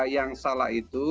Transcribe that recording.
yang salah itu